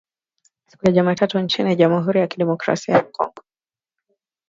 siku ya Jumatatu nchini Jamhuri ya Kidemokrasi ya Kongo